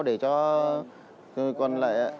để cho người quân lợi